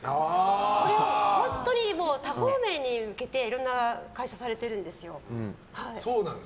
これは本当に多方面に向けていろんな会社をされてるんですよ。